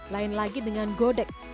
lain lagi dengan godek